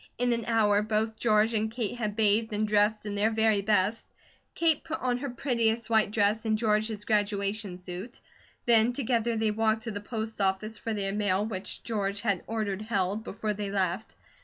In an hour, both George and Kate had bathed and dressed in their very best. Kate put on her prettiest white dress and George his graduation suit. Then together they walked to the post office for their mail, which George had ordered held, before they left.